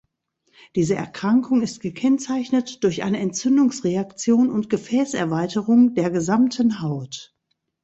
Diese Erkrankung ist gekennzeichnet durch eine Entzündungsreaktion und Gefäßerweiterung der gesamten Haut.